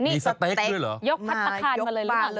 นี่เหรอยกพัฒนาคารมาเลยหรือเปล่า